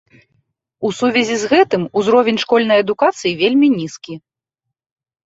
У сувязі з гэтым узровень школьнай адукацыі вельмі нізкі.